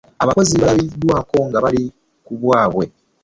Abakozi balabiddwaako nga bali ku byabwe.